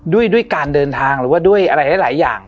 ด้วยการเดินทางด้วยอะไรหลายอย่าง